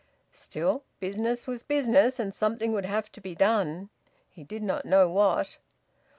Still, business was business, and something would have to be done. He did not know what.